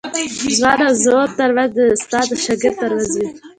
ځوان او زوړ ترمنځ د استاد او شاګرد ترمنځ وي.